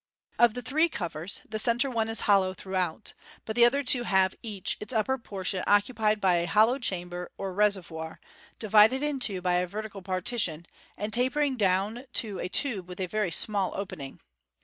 Of the three covers, the centre one is hcllow throughout, but the other two have each its upper portion occupied by a hollow chamber or reservoir, divided in two by a vertical partition, and tapering down to a tube with a very small opening.